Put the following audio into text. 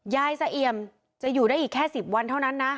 ยายสะเอี่ยมจะอยู่ได้อีกแค่๑๐วันเท่านั้นนะ